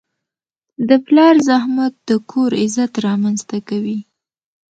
د پلار زحمت د کور عزت رامنځته کوي.